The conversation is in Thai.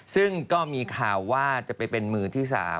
ซึ่งก็มีข่าวว่าจะไปเป็นมือที่๓